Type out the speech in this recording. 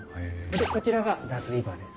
でこちらが脱衣場です。